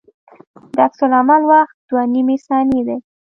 د عکس العمل وخت دوه نیمې ثانیې دی